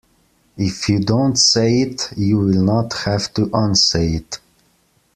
If you don't say it you will not have to unsay it.